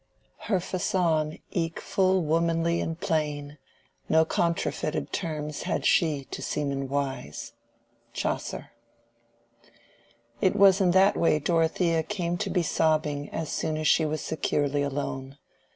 "Hire facounde eke full womanly and plain, No contrefeted termes had she To semen wise." —CHAUCER. It was in that way Dorothea came to be sobbing as soon as she was securely alone.